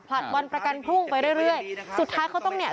ผลัดวันประกันพรุ่งไปเรื่อยเรื่อยสุดท้ายเขาต้องเนี่ย